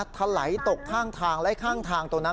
ก็ไหลตกทางทางไล่ข้างทางตรงนั้น